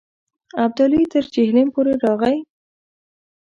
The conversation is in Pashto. ابدالي تر جیهلم پورې راغی.